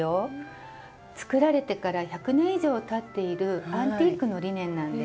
作られてから１００年以上たっているアンティークのリネンなんです。